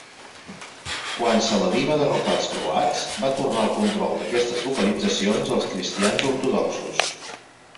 Quan Saladí va derrocar els croats, va tornar el control d'aquestes localitzacions als cristians ortodoxos.